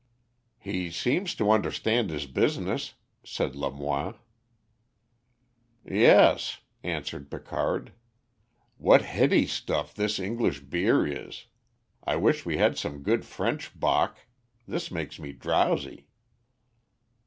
"He seems to understand his business," said Lamoine. "Yes," answered Picard. "What heady stuff this English beer is. I wish we had some good French bock; this makes me drowsy."